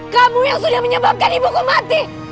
kamu yang sudah menyebabkan ibuku mati